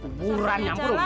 keburan nyamper oh